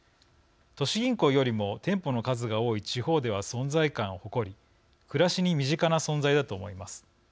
都市銀行よりも店舗の数が多い地方では存在感を誇り暮らしに身近な存在だと思います。